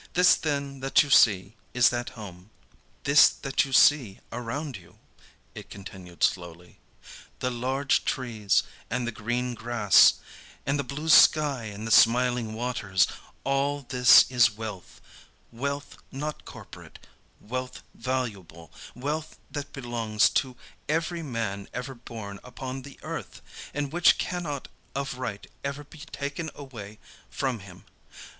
This then that you see is that Home. "This that you see around you," it continued slowly, "the large trees and the green grass, and the blue sky and the smiling waters, all this is wealth; wealth not corporate, wealth valuable, wealth that belongs to every man ever born upon the earth, and which can not of right ever be taken away from him.